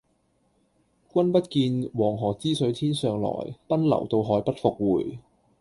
君不見，黃河之水天上來，奔流到海不復回。